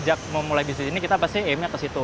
sejak memulai bisnis ini kita pasti aimnya ke situ